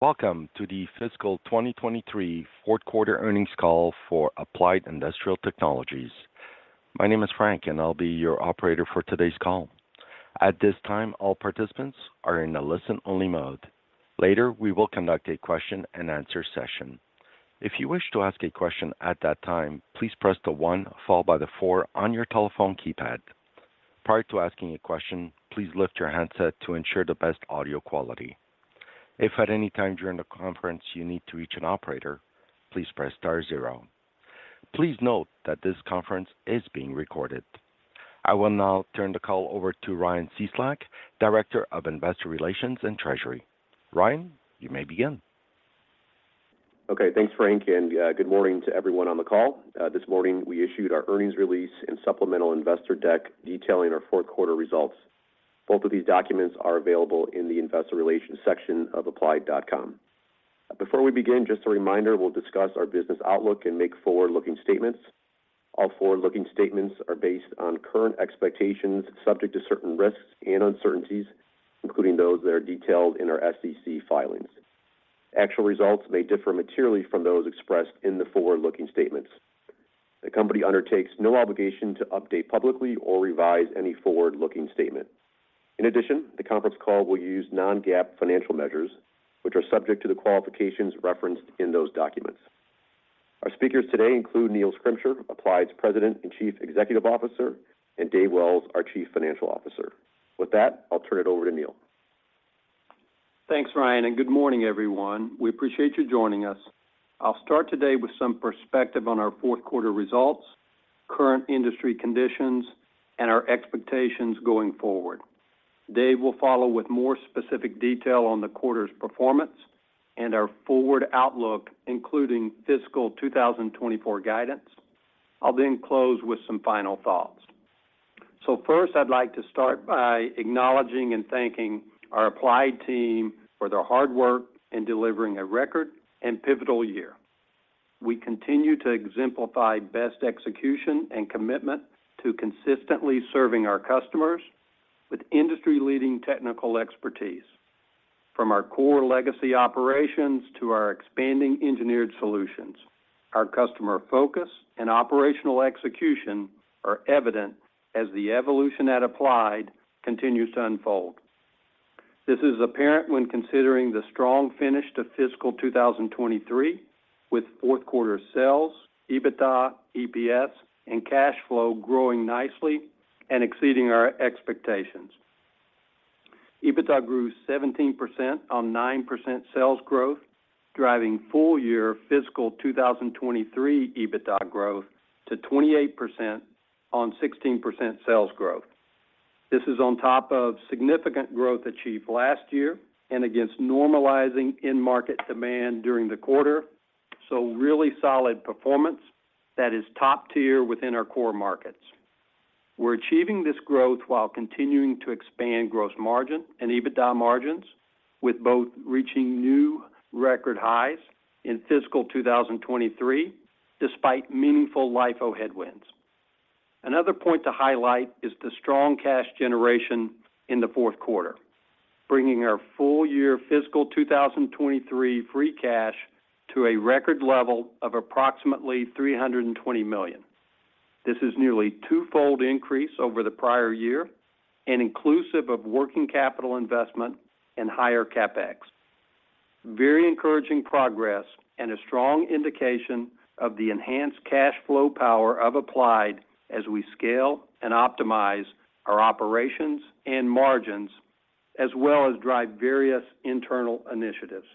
Welcome to the fiscal 2023 fourth quarter earnings call for Applied Industrial Technologies. My name is Frank, and I'll be your operator for today's call. At this time, all participants are in a listen-only mode. Later, we will conduct a question-and-answer session. If you wish to ask a question at that time, please press the one followed by the four on your telephone keypad. Prior to asking a question, please lift your handset to ensure the best audio quality. If at any time during the conference you need to reach an operator, please press star zero. Please note that this conference is being recorded. I will now turn the call over to Ryan Cieslak, Director of Investor Relations and Treasury. Ryan, you may begin. Okay, thanks, Frank, good morning to everyone on the call. This morning, we issued our earnings release and supplemental investor deck detailing our fourth quarter results. Both of these documents are available in the Investor Relations section of applied.com. Before we begin, just a reminder, we'll discuss our business outlook and make forward-looking statements. All forward-looking statements are based on current expectations, subject to certain risks and uncertainties, including those that are detailed in our SEC filings. Actual results may differ materially from those expressed in the forward-looking statements. The company undertakes no obligation to update publicly or revise any forward-looking statement. In addition, the conference call will use non-GAAP financial measures, which are subject to the qualifications referenced in those documents. Our speakers today include Neil Schrimsher, Applied's President and Chief Executive Officer, and Dave Wells, our Chief Financial Officer. With that, I'll turn it over to Neil. Thanks, Ryan, and good morning, everyone. We appreciate you joining us. I'll start today with some perspective on our fourth quarter results, current industry conditions, and our expectations going forward. Dave will follow with more specific detail on the quarter's performance and our forward outlook, including fiscal 2024 guidance. I'll then close with some final thoughts. First, I'd like to start by acknowledging and thanking our Applied team for their hard work in delivering a record and pivotal year. We continue to exemplify best execution and commitment to consistently serving our customers with industry-leading technical expertise. From our core legacy operations to our expanding Engineered Solutions, our customer focus and operational execution are evident as the evolution at Applied continues to unfold. This is apparent when considering the strong finish to fiscal 2023, with fourth quarter sales, EBITDA, EPS, and cash flow growing nicely and exceeding our expectations. EBITDA grew 17% on 9% sales growth, driving full year fiscal 2023 EBITDA growth to 28% on 16% sales growth. This is on top of significant growth achieved last year and against normalizing end market demand during the quarter. Really solid performance that is top tier within our core markets. We're achieving this growth while continuing to expand gross margin and EBITDA margins, with both reaching new record highs in fiscal 2023, despite meaningful LIFO headwinds. Another point to highlight is the strong cash generation in the fourth quarter, bringing our full year fiscal 2023 free cash to a record level of approximately $320 million. This is nearly twofold increase over the prior year and inclusive of working capital investment and higher CapEx. Very encouraging progress and a strong indication of the enhanced cash flow power of Applied as we scale and optimize our operations and margins, as well as drive various internal initiatives.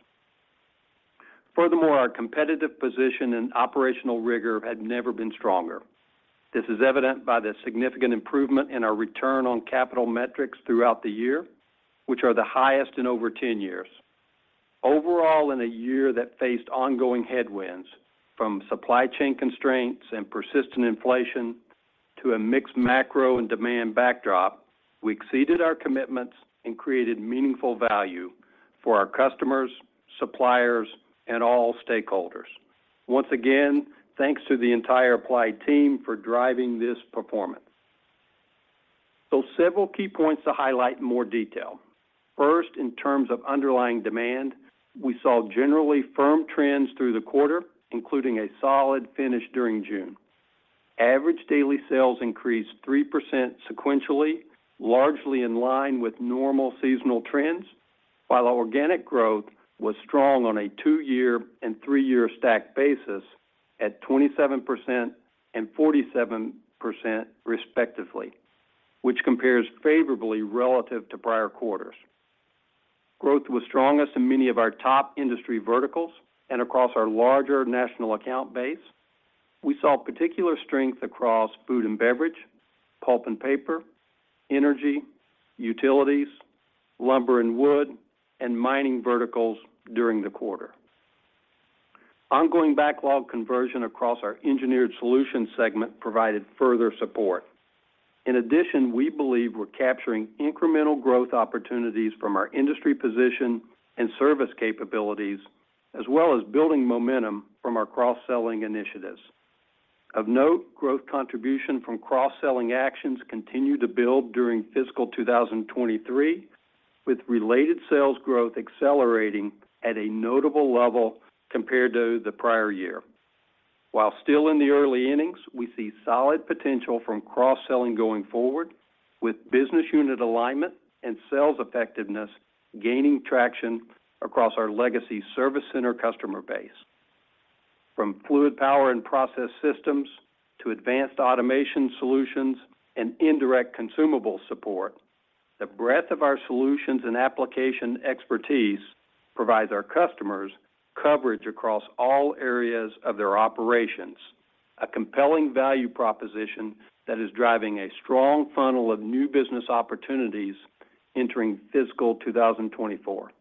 Furthermore, our competitive position and operational rigor had never been stronger. This is evident by the significant improvement in our return on capital metrics throughout the year, which are the highest in over 10 years. Overall, in a year that faced ongoing headwinds, from supply chain constraints and persistent inflation to a mixed macro and demand backdrop, we exceeded our commitments and created meaningful value for our customers, suppliers, and all stakeholders. Once again, thanks to the entire Applied team for driving this performance. Several key points to highlight in more detail. First, in terms of underlying demand, we saw generally firm trends through the quarter, including a solid finish during June. Average daily sales increased 3% sequentially, largely in line with normal seasonal trends, while organic growth was strong on a two-year and three-year stacked basis at 27% and 47%, respectively, which compares favorably relative to prior quarters. Growth was strongest in many of our top industry verticals and across our larger national account base. We saw particular strength across food and beverage, pulp and paper, energy, utilities, lumber and wood, and mining verticals during the quarter. Ongoing backlog conversion across our Engineered Solutions segment provided further support. We believe we're capturing incremental growth opportunities from our industry position and service capabilities, as well as building momentum from our cross-selling initiatives. Of note, growth contribution from cross-selling actions continued to build during fiscal 2023, with related sales growth accelerating at a notable level compared to the prior year. While still in the early innings, we see solid potential from cross-selling going forward, with business unit alignment and sales effectiveness gaining traction across our legacy service center customer base. From fluid power and process systems to advanced automation solutions and indirect consumable support, the breadth of our solutions and application expertise provides our customers coverage across all areas of their operations, a compelling value proposition that is driving a strong funnel of new business opportunities entering fiscal 2024.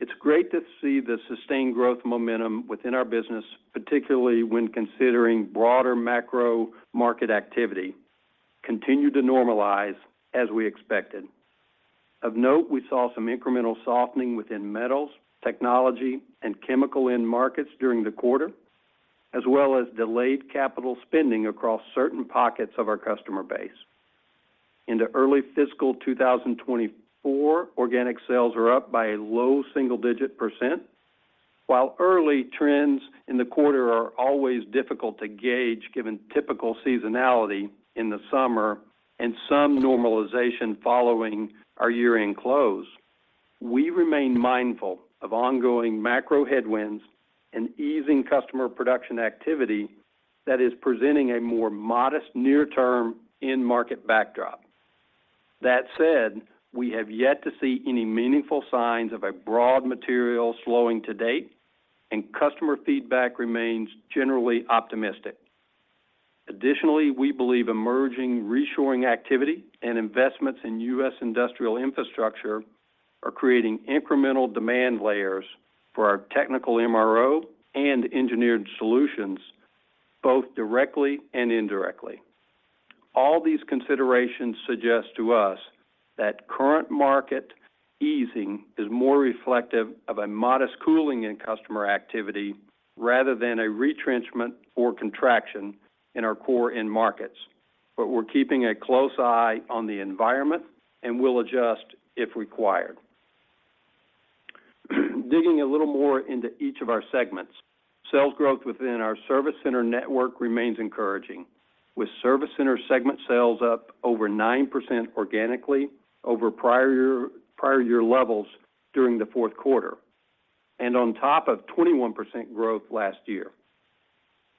It's great to see the sustained growth momentum within our business, particularly when considering broader macro market activity, continue to normalize as we expected. Of note, we saw some incremental softening within metals, technology, and chemical end markets during the quarter, as well as delayed capital spending across certain pockets of our customer base. Into early fiscal 2024, organic sales are up by a low single-digit %, while early trends in the quarter are always difficult to gauge, given typical seasonality in the summer and some normalization following our year-end close. We remain mindful of ongoing macro headwinds and easing customer production activity that is presenting a more modest near-term end market backdrop. That said, we have yet to see any meaningful signs of a broad material slowing to date, and customer feedback remains generally optimistic. Additionally, we believe emerging reshoring activity and investments in U.S. industrial infrastructure are creating incremental demand layers for our technical MRO and Engineered Solutions, both directly and indirectly. All these considerations suggest to us that current market easing is more reflective of a modest cooling in customer activity rather than a retrenchment or contraction in our core end markets. We're keeping a close eye on the environment, and we'll adjust if required. Digging a little more into each of our segments. Sales growth within our service center network remains encouraging, with service center segment sales up over 9% organically over prior year, prior year levels during the fourth quarter, and on top of 21% growth last year.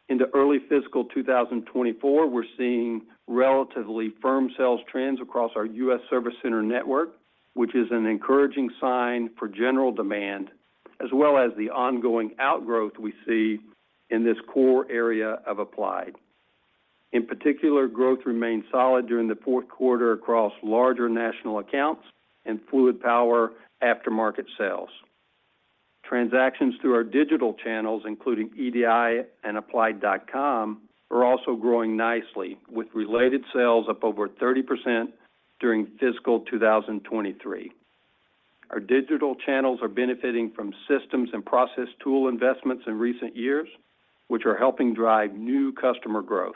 In the early fiscal 2024, we're seeing relatively firm sales trends across our U.S. service center network, which is an encouraging sign for general demand, as well as the ongoing outgrowth we see in this core area of Applied. In particular, growth remained solid during the fourth quarter across larger national accounts and fluid power aftermarket sales. Transactions through our digital channels, including EDI and applied.com, are also growing nicely, with related sales up over 30% during fiscal 2023. Our digital channels are benefiting from systems and process tool investments in recent years, which are helping drive new customer growth.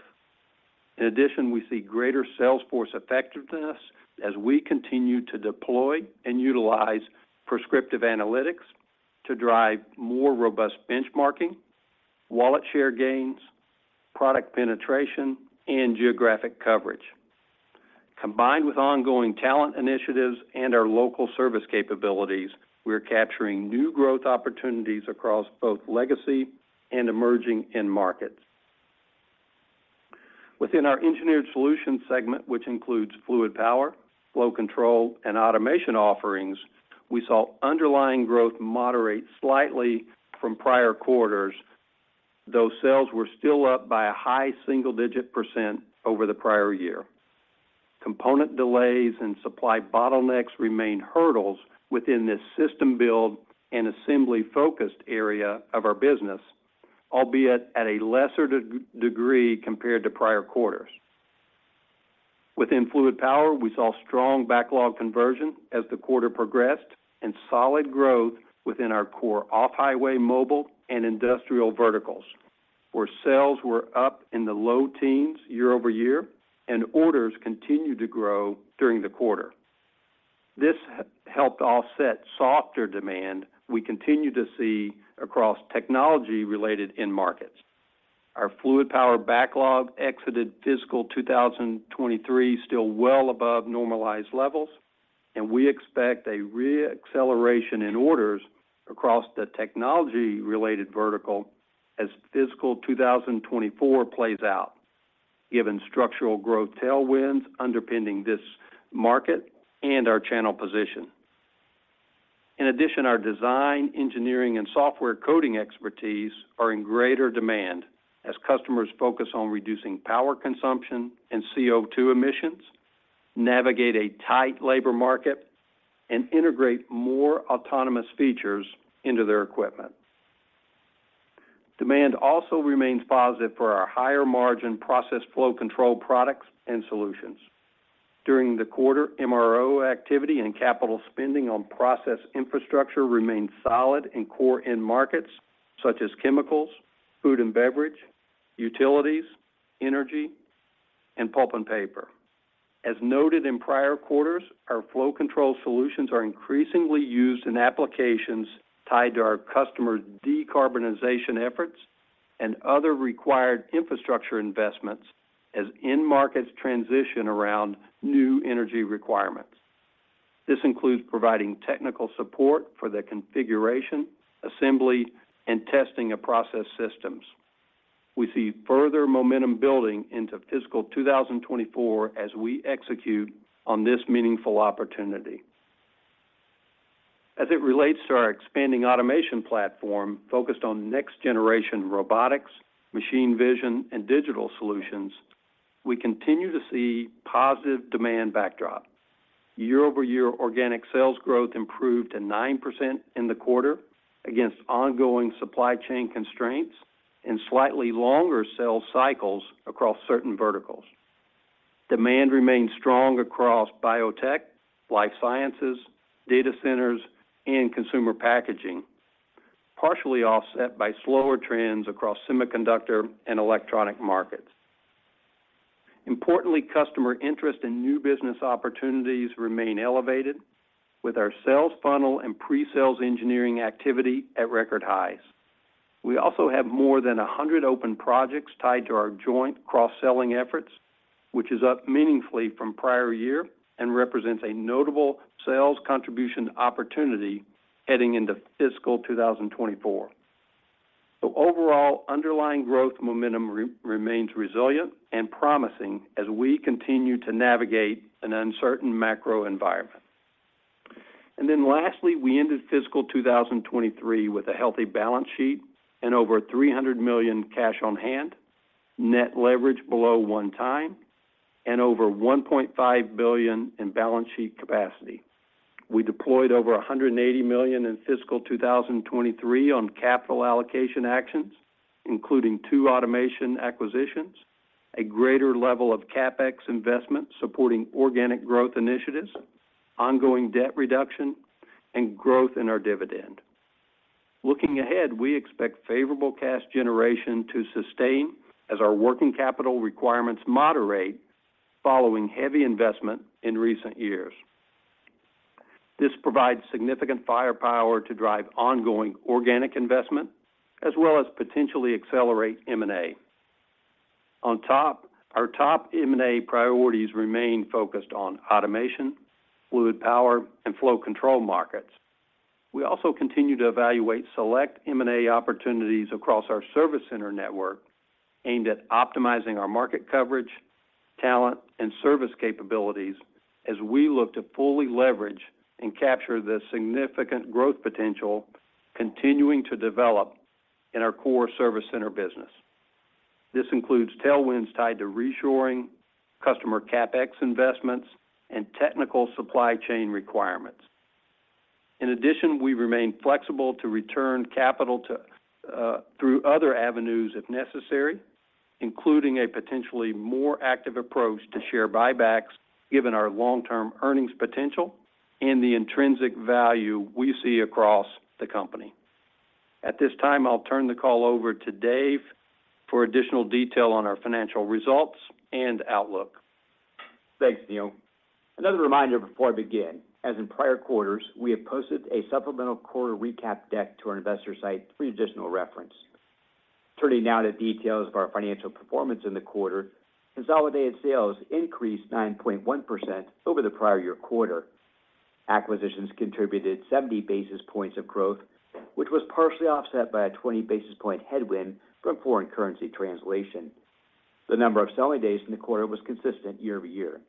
We see greater sales force effectiveness as we continue to deploy and utilize prescriptive analytics to drive more robust benchmarking, wallet share gains, product penetration, and geographic coverage. Combined with ongoing talent initiatives and our local service capabilities, we are capturing new growth opportunities across both legacy and emerging end markets. Within our Engineered Solutions segment, which includes fluid power, flow control, and automation offerings, we saw underlying growth moderate slightly from prior quarters. Those sales were still up by a high single-digit % over the prior year. Component delays and supply bottlenecks remain hurdles within this system build and assembly-focused area of our business, albeit at a lesser degree compared to prior quarters. Within fluid power, we saw strong backlog conversion as the quarter progressed and solid growth within our core off-highway, mobile, and industrial verticals, where sales were up in the low teens year-over-year, and orders continued to grow during the quarter. This helped offset softer demand we continue to see across technology-related end markets. Our fluid power backlog exited fiscal 2023, still well above normalized levels, and we expect a re-acceleration in orders across the technology-related vertical as fiscal 2024 plays out, given structural growth tailwinds underpinning this market and our channel position. In addition, our design, engineering, and software coding expertise are in greater demand as customers focus on reducing power consumption and CO₂ emissions, navigate a tight labor market, and integrate more autonomous features into their equipment. Demand also remains positive for our higher-margin process flow control products and solutions. During the quarter, MRO activity and capital spending on process infrastructure remained solid in core end markets, such as chemicals, food and beverage, utilities, energy, and pulp and paper. As noted in prior quarters, our flow control solutions are increasingly used in applications tied to our customers' decarbonization efforts and other required infrastructure investments as end markets transition around new energy requirements. This includes providing technical support for the configuration, assembly, and testing of process systems. We see further momentum building into fiscal 2024 as we execute on this meaningful opportunity. As it relates to our expanding automation platform, focused on next generation robotics, machine vision, and digital solutions, we continue to see positive demand backdrop. Year-over-year organic sales growth improved to 9% in the quarter against ongoing supply chain constraints and slightly longer sales cycles across certain verticals. Demand remains strong across biotech, life sciences, data centers, and consumer packaging, partially offset by slower trends across semiconductor and electronic markets. Importantly, customer interest in new business opportunities remain elevated, with our sales funnel and pre-sales engineering activity at record highs. We also have more than 100 open projects tied to our joint cross-selling efforts, which is up meaningfully from prior year and represents a notable sales contribution opportunity heading into fiscal 2024. Overall, underlying growth momentum remains resilient and promising as we continue to navigate an uncertain macro environment. Lastly, we ended fiscal 2023 with a healthy balance sheet and over $300 million cash on hand, net leverage below 1 time, and over $1.5 billion in balance sheet capacity. We deployed over $180 million in fiscal 2023 on capital allocation actions, including two automation acquisitions, a greater level of CapEx investment supporting organic growth initiatives, ongoing debt reduction, and growth in our dividend. Looking ahead, we expect favorable cash generation to sustain as our working capital requirements moderate following heavy investment in recent years. This provides significant firepower to drive ongoing organic investment, as well as potentially accelerate M&A. On top, our top M&A priorities remain focused on automation, fluid power, and flow control markets. We also continue to evaluate select M&A opportunities across our service center network, aimed at optimizing our market coverage, talent, and service capabilities as we look to fully leverage and capture the significant growth potential continuing to develop in our core service center business. This includes tailwinds tied to reshoring, customer CapEx investments, and technical supply chain requirements. In addition, we remain flexible to return capital to through other avenues, if necessary, including a potentially more active approach to share buybacks, given our long-term earnings potential and the intrinsic value we see across the company. At this time, I'll turn the call over to Dave for additional detail on our financial results and outlook. Thanks, Neil. Another reminder before I begin, as in prior quarters, we have posted a supplemental quarter recap deck to our investor site for your additional reference. Turning now to details of our financial performance in the quarter, consolidated sales increased 9.1% over the prior year-over-year quarter. Acquisitions contributed 70 basis points of growth, which was partially offset by a 20 basis point headwind from foreign currency translation. The number of selling days in the quarter was consistent year-over-year.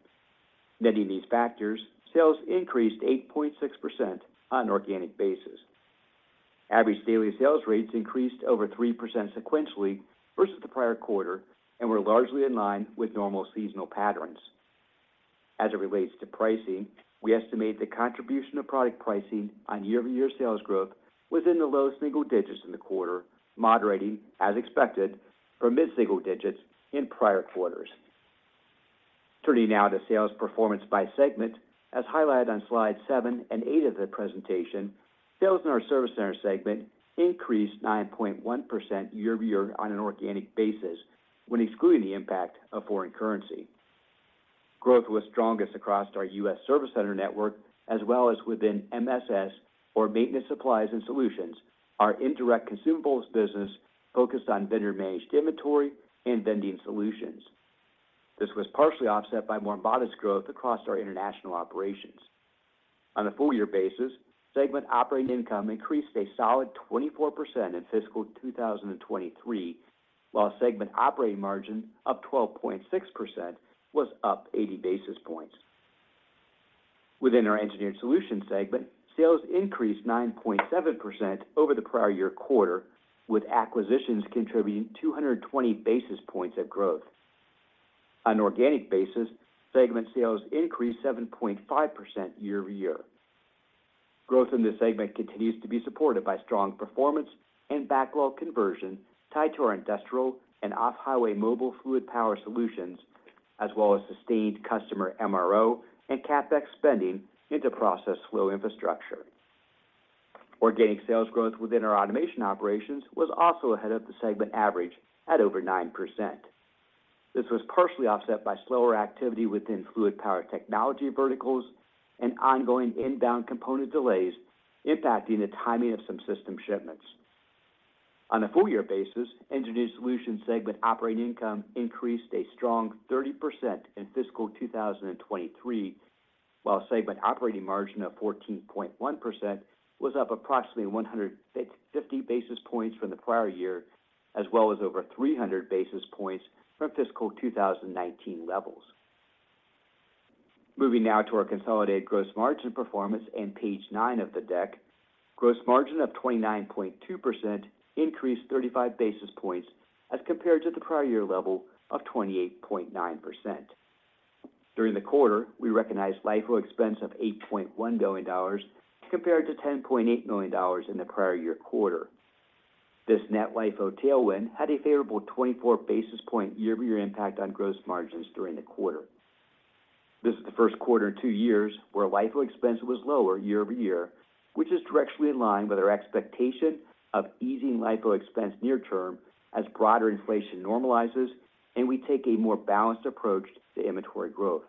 Netting these factors, sales increased 8.6% on an organic basis. Average daily sales rates increased over 3% sequentially versus the prior quarter, and were largely in line with normal seasonal patterns. As it relates to pricing, we estimate the contribution of product pricing on year-over-year sales growth was in the low single digits in the quarter, moderating, as expected, from mid-single digits in prior quarters. Turning now to sales performance by segment. As highlighted on slides seven and eight of the presentation, sales in our service center segment increased 9.1% year-over-year on an organic basis, when excluding the impact of foreign currency. Growth was strongest across our U.S. service center network, as well as within MSS or Maintenance, Repair, and Operations, our indirect consumables business focused on vendor-managed inventory and vending solutions. This was partially offset by more modest growth across our international operations. On a full year basis, segment operating income increased a solid 24% in fiscal 2023, while segment operating margin of 12.6% was up 80 basis points. Within our Engineered Solutions segment, sales increased 9.7% over the prior year quarter, with acquisitions contributing 220 basis points of growth. On an organic basis, segment sales increased 7.5% year-over-year. Growth in this segment continues to be supported by strong performance and backlog conversion tied to our industrial and off-highway mobile fluid power solutions, as well as sustained customer MRO and CapEx spending into process flow infrastructure. Organic sales growth within our automation operations was also ahead of the segment average at over 9%. This was partially offset by slower activity within fluid power technology verticals and ongoing inbound component delays impacting the timing of some system shipments. On a full year basis, Engineered Solutions segment operating income increased a strong 30% in fiscal 2023, while segment operating margin of 14.1% was up approximately 150 basis points from the prior year, as well as over 300 basis points from fiscal 2019 levels. Moving now to our consolidated gross margin performance in page nine of the deck. Gross margin of 29.2% increased 35 basis points as compared to the prior year level of 28.9%. During the quarter, we recognized LIFO expense of $8.1 billion, compared to $10.8 million in the prior year quarter. This net LIFO tailwind had a favorable 24 basis point year-over-year impact on gross margins during the quarter. This is the first quarter in two years where LIFO expense was lower year-over-year, which is directly in line with our expectation of easing LIFO expense near term as broader inflation normalizes and we take a more balanced approach to inventory growth.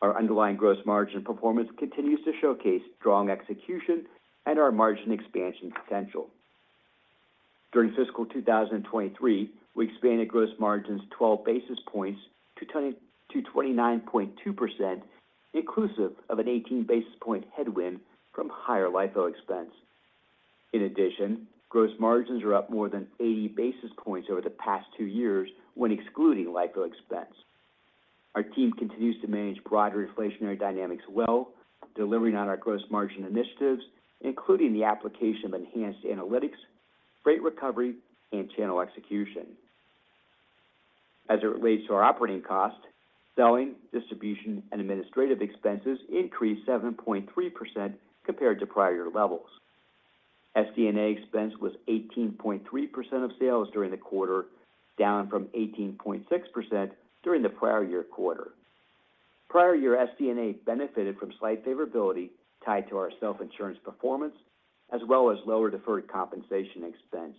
Our underlying gross margin performance continues to showcase strong execution and our margin expansion potential. During fiscal 2023, we expanded gross margins 12 basis points to 29.2%, inclusive of an 18 basis point headwind from higher LIFO expense. In addition, gross margins are up more than 80 basis points over the past two years when excluding LIFO expense. Our team continues to manage broader inflationary dynamics well, delivering on our gross margin initiatives, including the application of enhanced analytics, freight recovery, and channel execution. As it relates to our operating cost, selling, distribution, and administrative expenses increased 7.3% compared to prior year levels. SD&A expense was 18.3% of sales during the quarter, down from 18.6% during the prior year quarter. Prior year SD&A benefited from slight favorability tied to our self-insurance performance, as well as lower deferred compensation expense.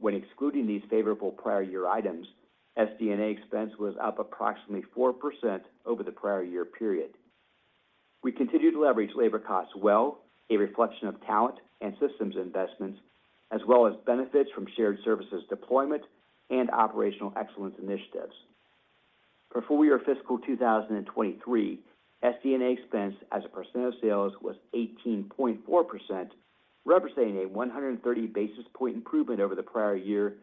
When excluding these favorable prior year items, SD&A expense was up approximately 4% over the prior year period. We continued to leverage labor costs well, a reflection of talent and systems investments, as well as benefits from shared services deployment and operational excellence initiatives. For full year fiscal 2023, SD&A expense as a percent of sales was 18.4%, representing a 130 basis point improvement over the prior year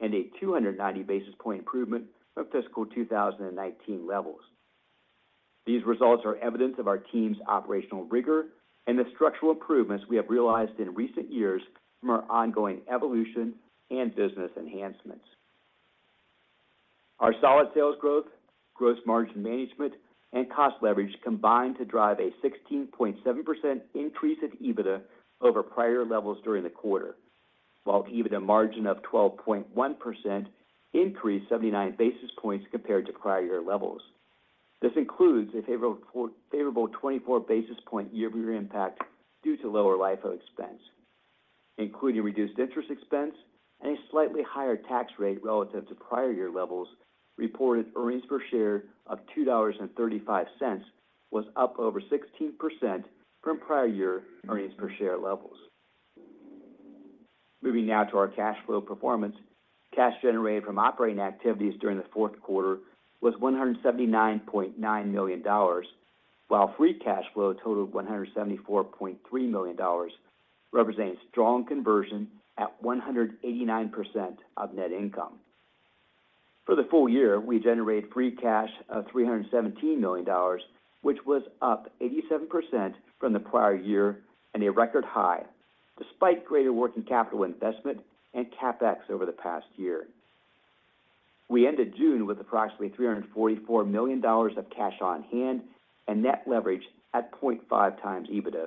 and a 290 basis point improvement from fiscal 2019 levels. These results are evidence of our team's operational rigor and the structural improvements we have realized in recent years from our ongoing evolution and business enhancements. Our solid sales growth, gross margin management, and cost leverage combined to drive a 16.7% increase in EBITDA over prior levels during the quarter, while EBITDA margin of 12.1% increased 79 basis points compared to prior year levels. This includes a favorable 24 basis point year-over-year impact due to lower LIFO expense, including reduced interest expense and a slightly higher tax rate relative to prior year levels, reported earnings per share of $2.35 was up over 16% from prior year earnings per share levels. Moving now to our cash flow performance. Cash generated from operating activities during the fourth quarter was $179.9 million, while free cash flow totaled $174.3 million, representing strong conversion at 189% of net income. For the full year, we generated free cash of $317 million, which was up 87% from the prior year and a record high, despite greater working capital investment and CapEx over the past year. We ended June with approximately $344 million of cash on hand and net leverage at 0.5x EBITDA,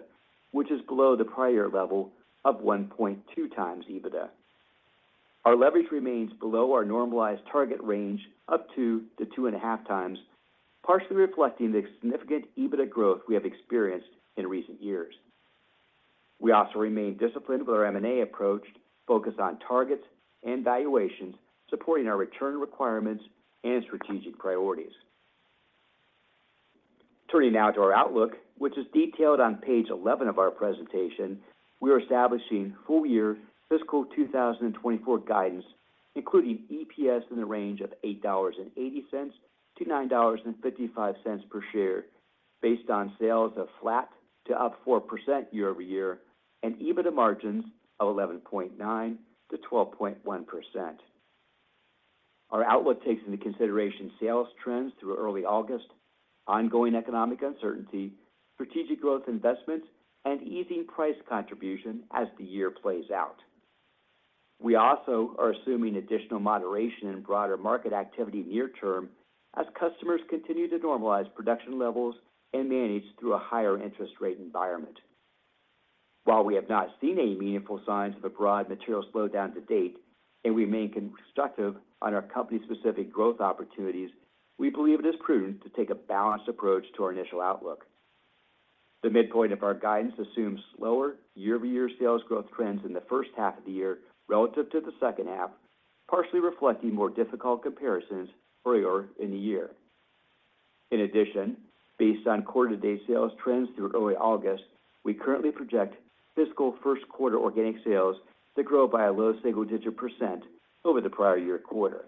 which is below the prior year level of 1.2x EBITDA. Our leverage remains below our normalized target range, up to 2x to 2.5x, partially reflecting the significant EBITDA growth we have experienced in recent years. We also remain disciplined with our M&A approach, focused on targets and valuations, supporting our return requirements and strategic priorities. Turning now to our outlook, which is detailed on page 11 of our presentation, we are establishing full year fiscal 2024 guidance, including EPS in the range of $8.80-$9.55 per share, based on sales of flat to up 4% year-over-year and EBITDA margins of 11.9%-12.1%. Our outlook takes into consideration sales trends through early August, ongoing economic uncertainty, strategic growth investments, and easing price contribution as the year plays out. We also are assuming additional moderation in broader market activity near term as customers continue to normalize production levels and manage through a higher interest rate environment. While we have not seen any meaningful signs of a broad material slowdown to date, and we remain constructive on our company-specific growth opportunities, we believe it is prudent to take a balanced approach to our initial outlook. The midpoint of our guidance assumes slower year-over-year sales growth trends in the first half of the year relative to the second half, partially reflecting more difficult comparisons earlier in the year. In addition, based on quarter-to-date sales trends through early August, we currently project fiscal first quarter organic sales to grow by a low single-digit % over the prior year quarter.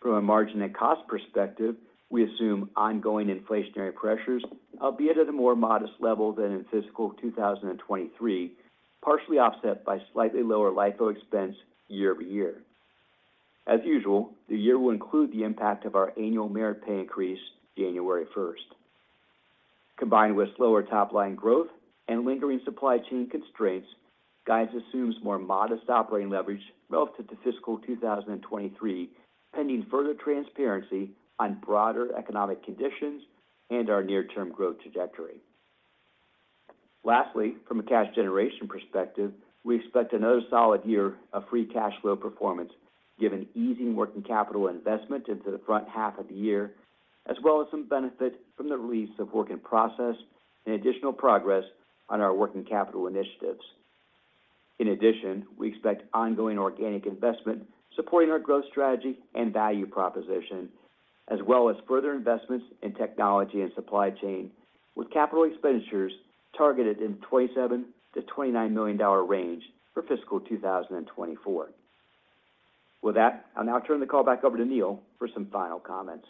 From a margin and cost perspective, we assume ongoing inflationary pressures, albeit at a more modest level than in fiscal 2023, partially offset by slightly lower LIFO expense year-over-year. As usual, the year will include the impact of our annual merit pay increase, January first. Combined with slower top-line growth and lingering supply chain constraints, guidance assumes more modest operating leverage relative to fiscal 2023, pending further transparency on broader economic conditions and our near-term growth trajectory. Lastly, from a cash generation perspective, we expect another solid year of free cash flow performance, given easing working capital investment into the front half of the year, as well as some benefit from the release of work in process and additional progress on our working capital initiatives. In addition, we expect ongoing organic investment supporting our growth strategy and value proposition, as well as further investments in technology and supply chain, with capital expenditures targeted in $27 million-$29 million range for fiscal 2024. With that, I'll now turn the call back over to Neil for some final comments.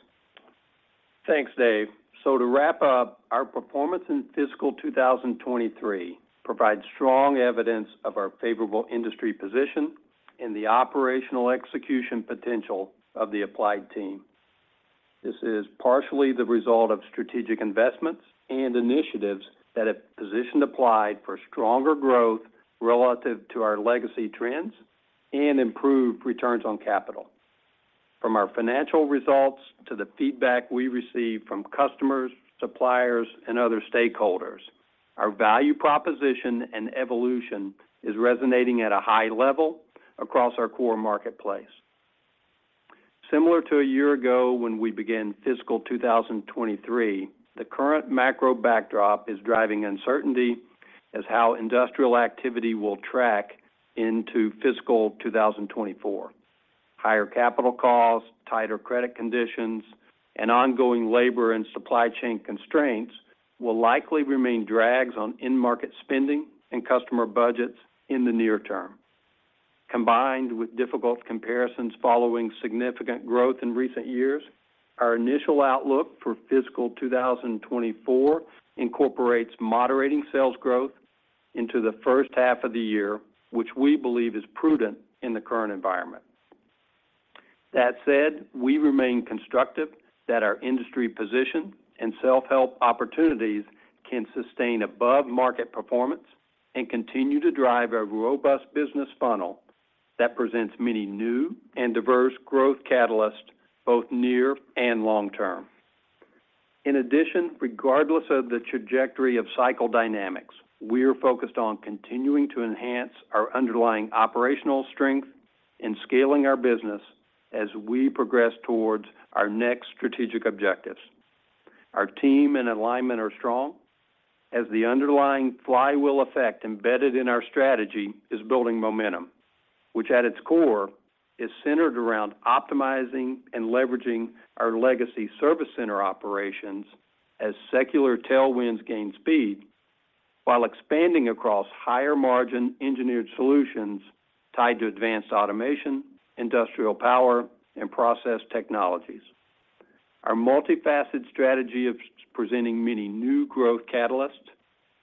Thanks, Dave. To wrap up, our performance in fiscal 2023 provides strong evidence of our favorable industry position and the operational execution potential of the Applied team. This is partially the result of strategic investments and initiatives that have positioned Applied for stronger growth relative to our legacy trends and improved returns on capital. From our financial results to the feedback we receive from customers, suppliers, and other stakeholders, our value proposition and evolution is resonating at a high level across our core marketplace. Similar to a year ago, when we began fiscal 2023, the current macro backdrop is driving uncertainty as how industrial activity will track into fiscal 2024. Higher capital costs, tighter credit conditions, and ongoing labor and supply chain constraints will likely remain drags on end market spending and customer budgets in the near term. Combined with difficult comparisons following significant growth in recent years, our initial outlook for fiscal 2024 incorporates moderating sales growth into the first half of the year, which we believe is prudent in the current environment. That said, we remain constructive that our industry position and self-help opportunities can sustain above-market performance and continue to drive a robust business funnel that presents many new and diverse growth catalysts, both near and long term. In addition, regardless of the trajectory of cycle dynamics, we are focused on continuing to enhance our underlying operational strength and scaling our business as we progress towards our next strategic objectives. Our team and alignment are strong, as the underlying flywheel effect embedded in our strategy is building momentum, which at its core, is centered around optimizing and leveraging our legacy service center operations as secular tailwinds gain speed, while expanding across higher-margin Engineered Solutions tied to advanced automation, industrial power, and process technologies. Our multifaceted strategy of presenting many new growth catalysts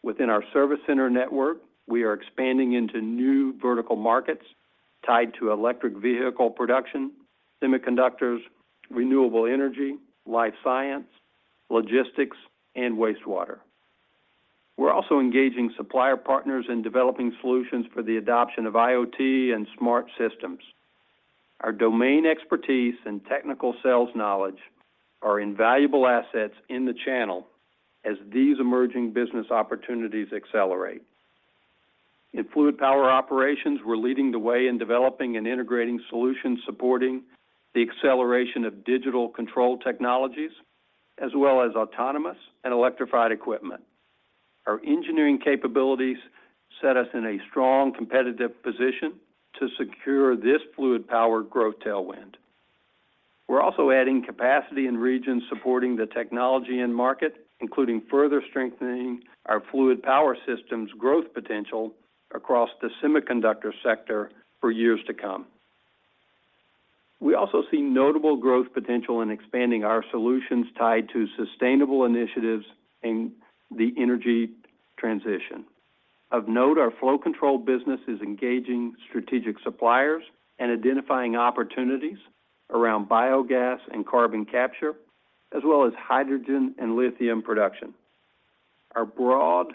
within our service center network, we are expanding into new vertical markets tied to electric vehicle production, semiconductors, renewable energy, life science, logistics, and wastewater. We're also engaging supplier partners in developing solutions for the adoption of IoT and smart systems. Our domain expertise and technical sales knowledge are invaluable assets in the channel as these emerging business opportunities accelerate. In fluid power operations, we're leading the way in developing and integrating solutions, supporting the acceleration of digital control technologies, as well as autonomous and electrified equipment. Our engineering capabilities set us in a strong competitive position to secure this fluid power growth tailwind. We're also adding capacity in regions supporting the technology end market, including further strengthening our fluid power systems growth potential across the semiconductor sector for years to come. We also see notable growth potential in expanding our solutions tied to sustainable initiatives in the energy transition. Of note, our flow control business is engaging strategic suppliers and identifying opportunities around biogas and carbon capture, as well as hydrogen and lithium production. Our broad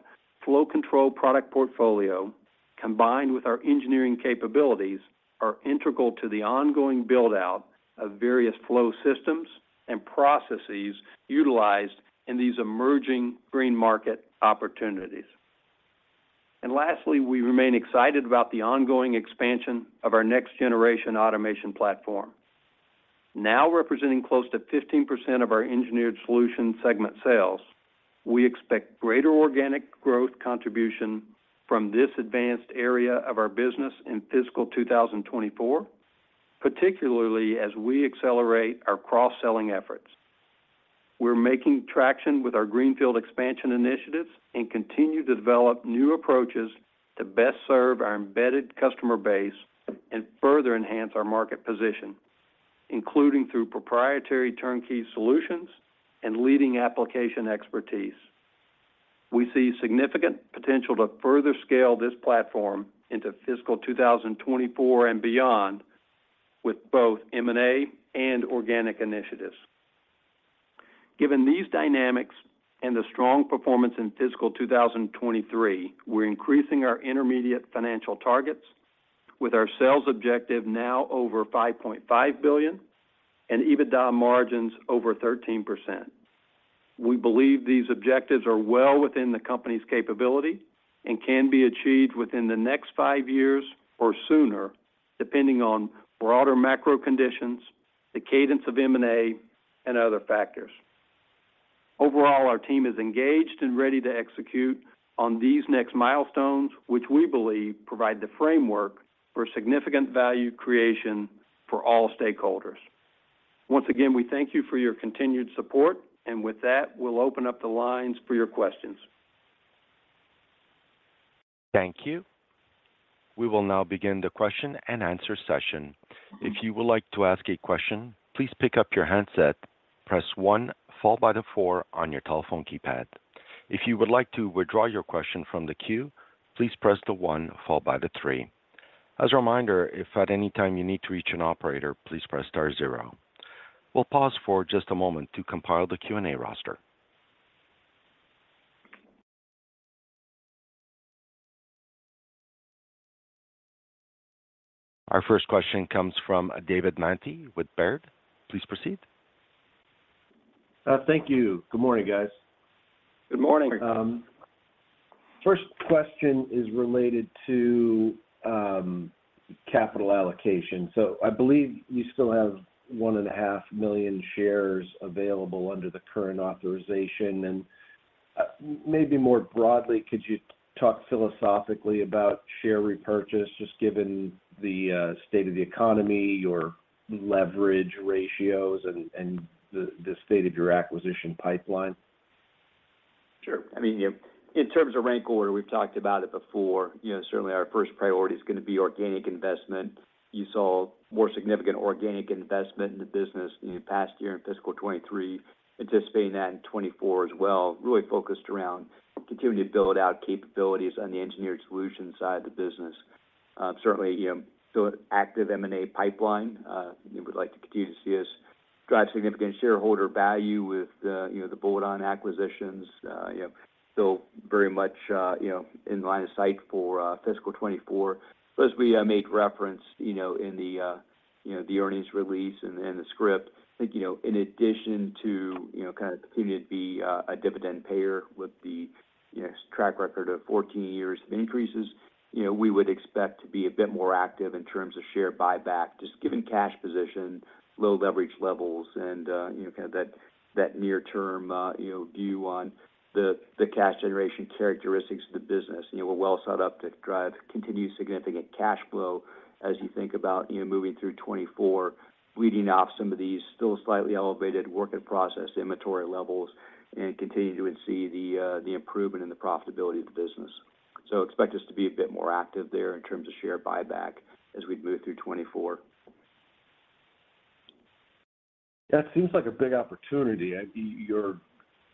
flow control product portfolio, combined with our engineering capabilities, are integral to the ongoing build-out of various flow systems and processes utilized in these emerging green market opportunities. Lastly, we remain excited about the ongoing expansion of our next-generation automation platform. Now representing close to 15% of our Engineered Solutions segment sales, we expect greater organic growth contribution from this advanced area of our business in fiscal 2024, particularly as we accelerate our cross-selling efforts. We're making traction with our greenfield expansion initiatives and continue to develop new approaches to best serve our embedded customer base and further enhance our market position, including through proprietary turnkey solutions and leading application expertise. We see significant potential to further scale this platform into fiscal 2024 and beyond, with both M&A and organic initiatives. Given these dynamics and the strong performance in fiscal 2023, we're increasing our intermediate financial targets with our sales objective now over $5.5 billion and EBITDA margins over 13%. We believe these objectives are well within the company's capability and can be achieved within the next five years or sooner, depending on broader macro conditions, the cadence of M&A, and other factors. Overall, our team is engaged and ready to execute on these next milestones, which we believe provide the framework for significant value creation for all stakeholders. Once again, we thank you for your continued support, and with that, we'll open up the lines for your questions. Thank you. We will now begin the question-and-answer session. If you would like to ask a question, please pick up your handset, press one, followed by the four on your telephone keypad. If you would like to withdraw your question from the queue, please press the one, followed by the three. As a reminder, if at any time you need to reach an operator, please press star zero. We'll pause for just a moment to compile the Q&A roster. Our first question comes from David Manthey with Baird. Please proceed. Thank you. Good morning, guys. Good morning. First question is related to capital allocation. I believe you still have 1.5 million shares available under the current authorization. Maybe more broadly, could you talk philosophically about share repurchase, just given the state of the economy, your leverage ratios, and the state of your acquisition pipeline? Sure. I mean, in terms of rank order, we've talked about it before. You know, certainly our first priority is gonna be organic investment. You saw more significant organic investment in the business in the past year, in fiscal 2023, anticipating that in 2024 as well, really focused around continuing to build out capabilities on the Engineered Solutions side of the business. Certainly, still an active M&A pipeline. You would like to continue to see us drive significant shareholder value with the, you know, the bolt-on acquisitions, you know, still very much, you know, in line of sight for fiscal 2024. As we made reference, you know, in the, you know, the earnings release and, and the script, I think, you know, in addition to, you know, kind of continuing to be a dividend payer with the, you know, track record of 14 years of increases, you know, we would expect to be a bit more active in terms of share buyback, just given cash position, low leverage levels, and, you know, kind of that, that near term, you know, view on the, the cash generation characteristics of the business. You know, we're well set up to drive continued significant cash flow as you think about, you know, moving through 2024, weeding off some of these still slightly elevated work-in-process inventory levels and continuing to see the improvement in the profitability of the business. Expect us to be a bit more active there in terms of share buyback as we move through 2024. That seems like a big opportunity. Your,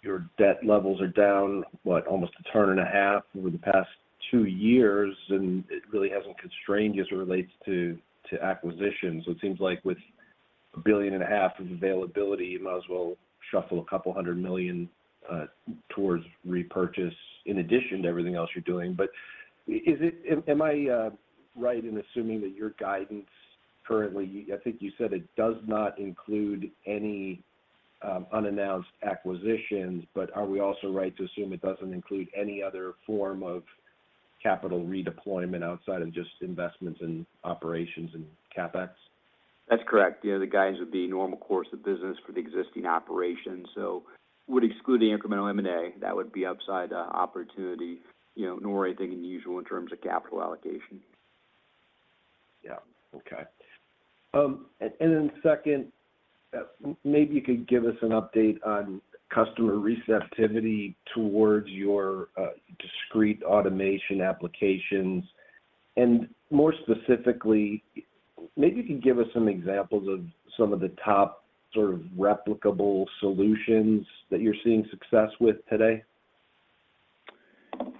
your debt levels are down, what, almost a ton and a half over the past two years, and it really hasn't constrained as it relates to, to acquisitions. It seems like with $1.5 billion of availability, you might as well shuffle $200 million towards repurchase in addition to everything else you're doing. Is it right in assuming that your guidance currently, I think you said it does not include any unannounced acquisitions, but are we also right to assume it doesn't include any other form of capital redeployment outside of just investments in operations and CapEx? That's correct. You know, the guidance would be normal course of business for the existing operations, so would exclude the incremental M&A. That would be upside, opportunity, you know, nor anything unusual in terms of capital allocation. Yeah. Okay. Then second, maybe you could give us an update on customer receptivity towards your discrete automation applications. More specifically, maybe you can give us some examples of some of the top sort of replicable solutions that you're seeing success with today?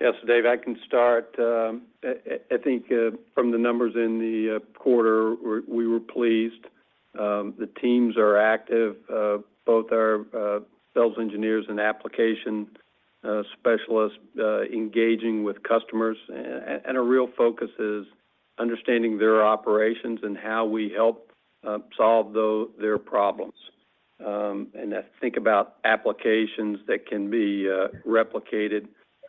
Yes, Dave, I can start. I think, from the numbers in the quarter, we were pleased. The teams are active, both our sales engineers and application specialists, engaging with customers. A real focus is understanding their operations and how we help solve their problems. I think about applications that can be replicated,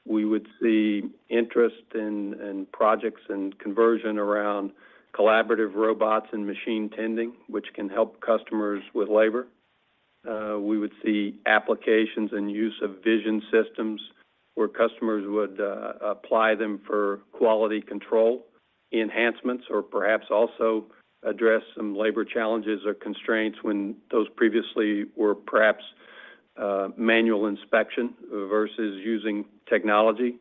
we would see interest in projects and conversion around collaborative robots and machine tending, which can help customers with labor. We would see applications and use of vision systems where customers would apply them for quality control enhancements, or perhaps also address some labor challenges or constraints when those previously were perhaps manual inspection versus using technology.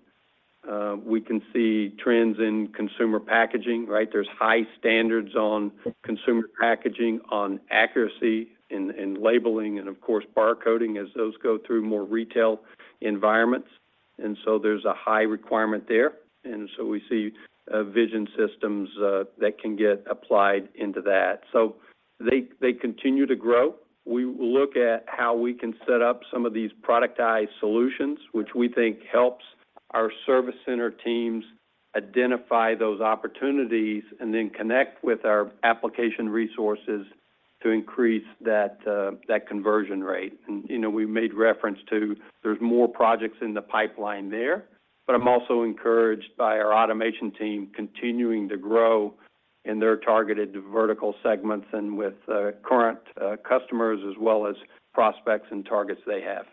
We can see trends in consumer packaging, right? There's high standards on consumer packaging, on accuracy in, in labeling, and of course, bar coding as those go through more retail environments. So there's a high requirement there. So we see vision systems that can get applied into that. They, they continue to grow. We look at how we can set up some of these productized solutions, which we think helps our service center teams identify those opportunities, and then connect with our application resources to increase that conversion rate. You know, we made reference to there's more projects in the pipeline there, but I'm also encouraged by our automation team continuing to grow in their targeted vertical segments and with current customers, as well as prospects and targets they have.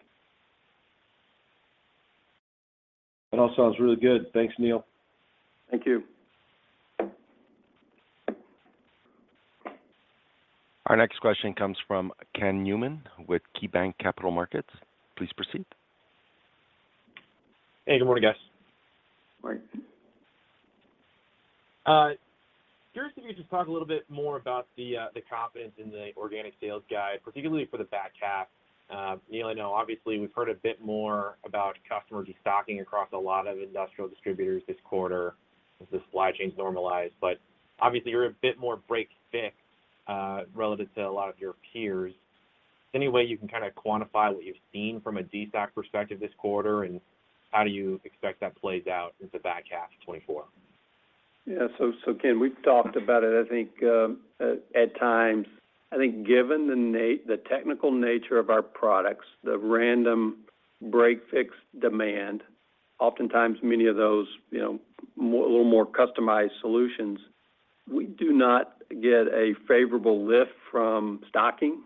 That all sounds really good. Thanks, Neil. Thank you. Our next question comes from Kenneth Newman with KeyBanc Capital Markets. Please proceed. Hey, good morning, guys. Good morning. Curious if you could just talk a little bit more about the confidence in the organic sales guide, particularly for the back half. Neil, I know obviously we've heard a bit more about customers restocking across a lot of industrial distributors this quarter as the supply chain normalized, but obviously you're a bit more break-fix relative to a lot of your peers. Any way you can kind of quantify what you've seen from a DSAC perspective this quarter, and how do you expect that plays out into the back half of 2024? Yeah. So Ken, we've talked about it, I think, at times. I think given the technical nature of our products, the random break-fix demand, oftentimes many of those, you know, a little more customized solutions, we do not get a favorable lift from stocking.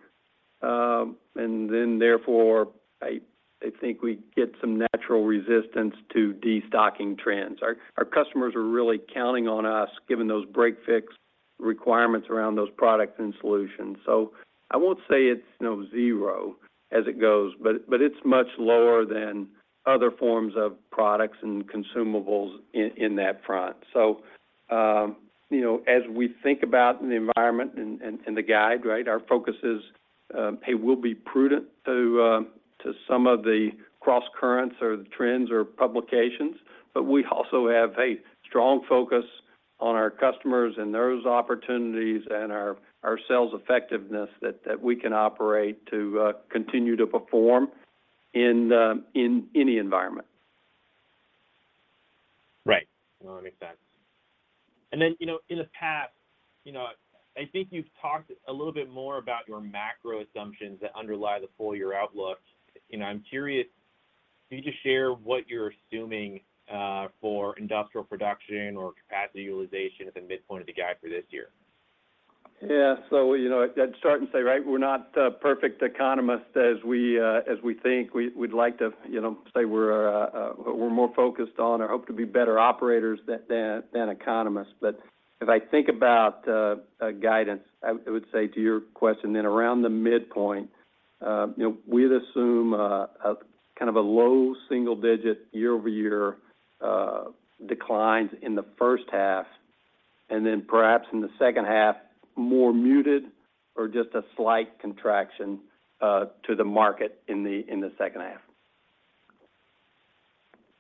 Then therefore, I, I think we get some natural resistance to destocking trends. Our, our customers are really counting on us, given those break-fix requirements around those products and solutions. I won't say it's, you know, zero as it goes, but, but it's much lower than other forms of products and consumables in that front. You know, as we think about the environment and, and, and the guide, right? Our focus is, hey, we'll be prudent to some of the crosscurrents or the trends or publications, but we also have, hey, strong focus on our customers and those opportunities and our, our sales effectiveness, that, that we can operate to continue to perform in any environment. Right. No, that makes sense. Then, you know, I think you've talked a little bit more about your macro assumptions that underlie the full year outlook. You know, I'm curious, can you just share what you're assuming for industrial production or capacity utilization at the midpoint of the guide for this year? Yeah. You know, I'd start and say, right, we're not perfect economists as we as we think. We'd like to, you know, say we're we're more focused on or hope to be better operators than, than, than economists. If I think about guidance, I would say to your question then, around the midpoint, you know, we'd assume a kind of a low single-digit year-over-year declines in the first half, and then perhaps in the second half, more muted or just a slight contraction to the market in the second half.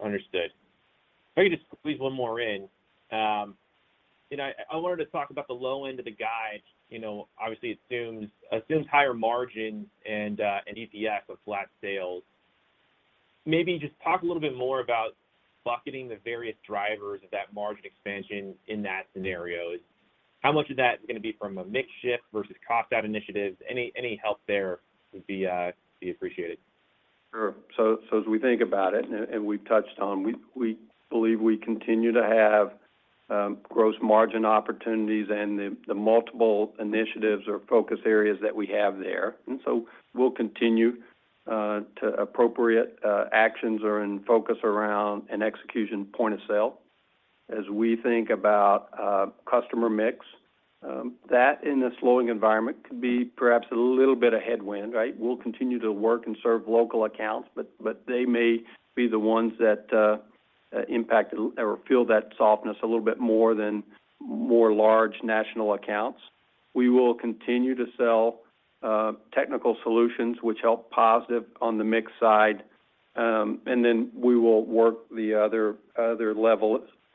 Understood. If I could just squeeze one more in. You know, I, I wanted to talk about the low end of the guide. You know, obviously assumes, assumes higher margin and EPS with flat sales. Maybe just talk a little bit more about bucketing the various drivers of that margin expansion in that scenario. How much of that is gonna be from a mix shift versus cost out initiatives? Any, any help there would be appreciated. Sure. As we think about it, and, and we've touched on, we, we believe we continue to have gross margin opportunities and the, the multiple initiatives or focus areas that we have there. We'll continue to appropriate actions are in focus around an execution point of sale. As we think about customer mix, that in a slowing environment could be perhaps a little bit of headwind, right? We'll continue to work and serve local accounts, but, but they may be the ones that impact or feel that softness a little bit more than more large national accounts. We will continue to sell technical solutions which help positive on the mix side, and then we will work the other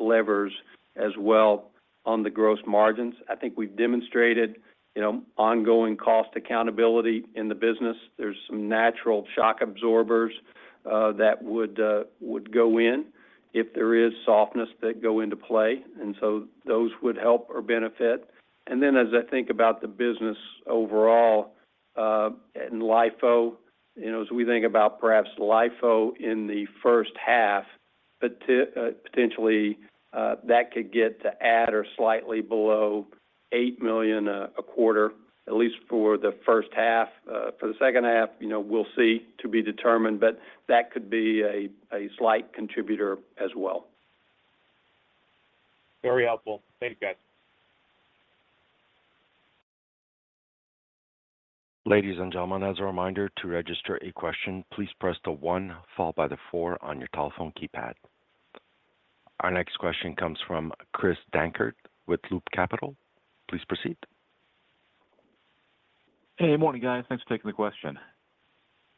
levers as well on the gross margins. I think we've demonstrated, you know, ongoing cost accountability in the business. There's some natural shock absorbers that would go in if there is softness that go into play, so those would help or benefit. As I think about the business overall, and LIFO, you know, as we think about perhaps LIFO in the first half, potentially, that could get to at or slightly below $8 million a quarter, at least for the first half. For the second half, you know, we'll see, to be determined, but that could be a slight contributor as well. Very helpful. Thank you, guys. Ladies and gentlemen, as a reminder, to register a question, please press the one followed by the four on your telephone keypad. Our next question comes from Christopher Dankert with Loop Capital. Please proceed. Hey, morning, guys. Thanks for taking the question.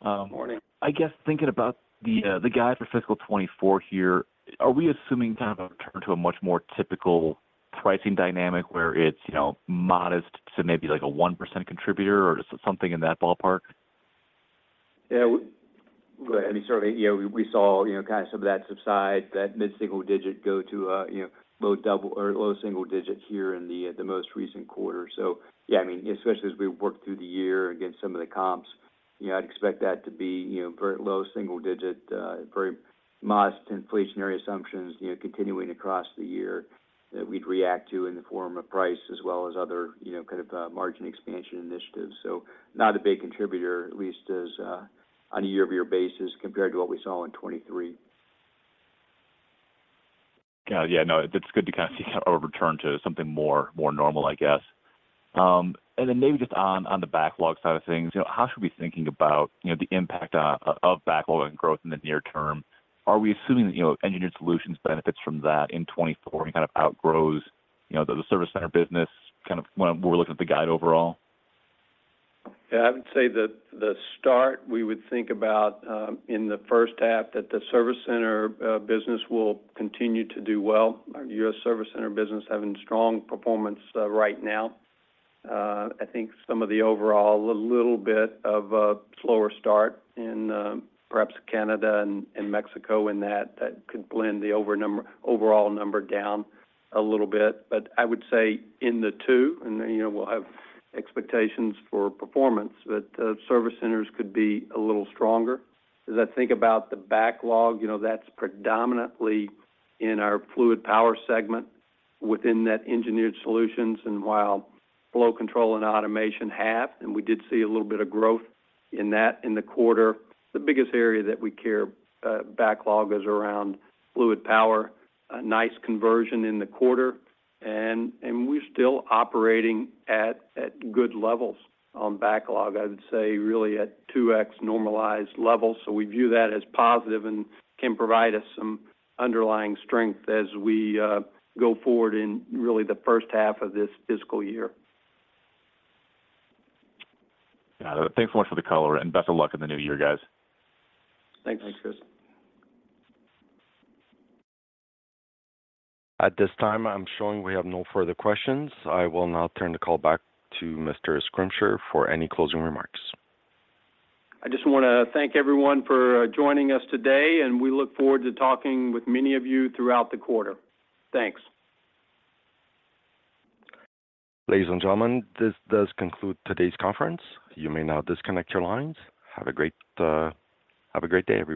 Morning. I guess thinking about the, the guide for fiscal 2024 here, are we assuming kind of a return to a much more typical pricing dynamic where it's, you know, modest to maybe, like, a 1% contributor, or just something in that ballpark? Yeah, I mean, certainly, you know, we, we saw, you know, kind of some of that subside, that mid-single digit go to, you know, low double or low single digit here in the most recent quarter. Yeah, I mean, especially as we work through the year against some of the comps, you know, I'd expect that to be, you know, very low single digit, very modest inflationary assumptions, you know, continuing across the year that we'd react to in the form of price as well as other, you know, kind of, margin expansion initiatives. Not a big contributor, at least as on a year-over-year basis, compared to what we saw in 2023. Got it. Yeah, no, it's good to kind of see a return to something more, more normal, I guess. Then maybe just on, on the backlog side of things, you know, how should we be thinking about, you know, the impact of backlog and growth in the near term? Are we assuming that, you know, Engineered Solutions benefits from that in 2024 and kind of outgrows, you know, the service center business, kind of, when we're looking at the guide overall? Yeah, I would say that the start we would think about in the first half, that the service center business will continue to do well. Our U.S. service center business having strong performance right now. I think some of the overall, a little bit of a slower start in perhaps Canada and Mexico, in that, that could blend the overall number down a little bit. But I would say in the two, and, you know, we'll have expectations for performance, but the service centers could be a little stronger. As I think about the backlog, you know, that's predominantly in our fluid power segment within that Engineered Solutions, and while flow control and automation half, and we did see a little bit of growth in that in the quarter. The biggest area that we care, backlog is around fluid power. A nice conversion in the quarter, and, and we're still operating at, at good levels on backlog. I would say really at 2x normalized levels. We view that as positive and can provide us some underlying strength as we go forward in really the first half of this fiscal year. Got it. Thanks so much for the color, and best of luck in the new year, guys. Thanks. Thanks, Chris. At this time, I'm showing we have no further questions. I will now turn the call back to Mr. Schrimsher for any closing remarks. I just wanna thank everyone for joining us today, and we look forward to talking with many of you throughout the quarter. Thanks. Ladies and gentlemen, this does conclude today's conference. You may now disconnect your lines. Have a great, have a great day, everyone.